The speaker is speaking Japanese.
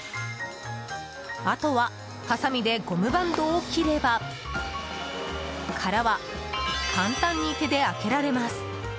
あとは、はさみでゴムバンドを切れば殻は簡単に手で開けられます。